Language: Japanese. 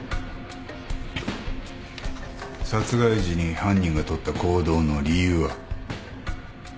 殺害時に犯人がとった行動の理由は？